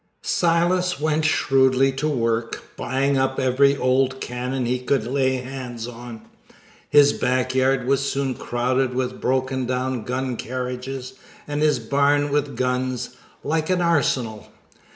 Silas went shrewdly to work, buying up every old cannon he could lay hands on. His back yard was soon crowded with broken down gun carriages, and his barn with guns, like an arsenal.